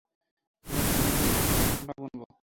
এবং তোমার জন্য একটি রঙিন ঘোমটা বুনবো।